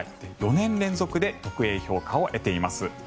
４年連続で特Ａ評価を得ています。